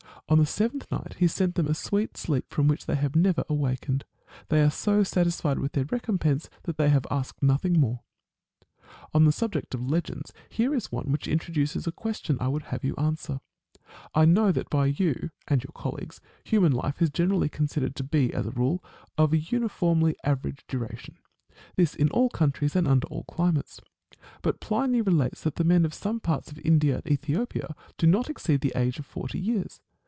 On the seventh night he sent them a sweet sleep from which they have never awakened. They are so satisfied with their recompense that they have asked nothing more. ^ See Lucian, Dial. Menip. and Chiro. 2 See Pindar, Strabo, and Pliny. AND A METAPHYSICIAN. 6i On the subject of legends, here is one wliich intro duces a question I would have you answer. I know that by you and your colleagues human life is generally considered to be, as a rule, of an uniformly average duration : this in all countries and under all climates. But Pliny relates that the men of some parts of India and Ethiopia do not exceed the age of forty years.